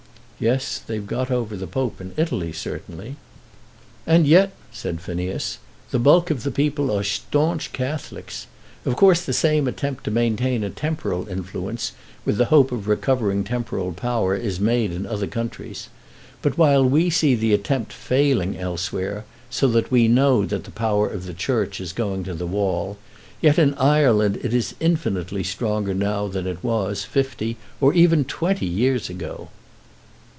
"Yes; they've got over the Pope in Italy, certainly." "And yet," said Phineas, "the bulk of the people are staunch Catholics. Of course the same attempt to maintain a temporal influence, with the hope of recovering temporal power, is made in other countries. But while we see the attempt failing elsewhere, so that we know that the power of the Church is going to the wall, yet in Ireland it is infinitely stronger now than it was fifty, or even twenty years ago."